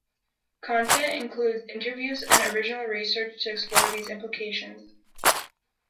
Content includes interviews and original research to explore these implications.